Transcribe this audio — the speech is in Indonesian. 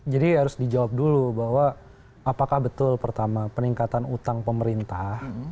jadi harus dijawab dulu bahwa apakah betul pertama peningkatan utang pemerintah